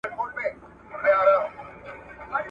چي ویل به مي سبا درڅخه ځمه `